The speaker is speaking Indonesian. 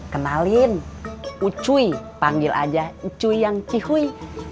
kenalin ucuy panggil aja ucuy yang cihuy